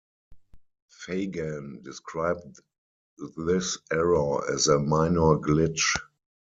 Fagan described this error as a "minor glitch".